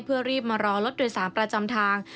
เพื่อรีบมารอรถโดยสารประจำทาง